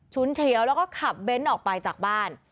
เฉียวแล้วก็ขับเบ้นออกไปจากบ้าน